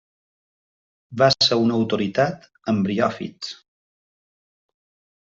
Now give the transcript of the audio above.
Va ser una autoritat en briòfits.